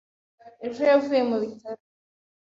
Ejo yavuye mu bitaro.